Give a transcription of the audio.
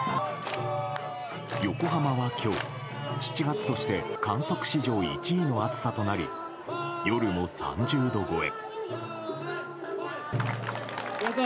横浜は今日、７月として観測史上１位の暑さとなり夜も３０度超え。